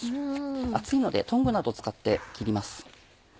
熱いのでトングなどを使って切ります。